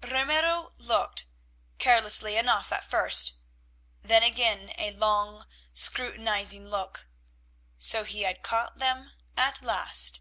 Ramiro looked, carelessly enough at first, then again a long, scrutinising look. So he had caught them at last!